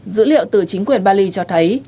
dữ liệu từ chính quyền bali cho thấy